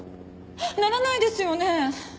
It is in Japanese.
ならないですよね！？